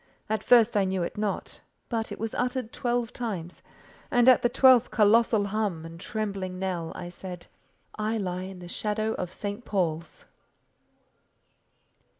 At first I knew it not; but it was uttered twelve times, and at the twelfth colossal hum and trembling knell, I said: "I lie in the shadow of St. Paul's."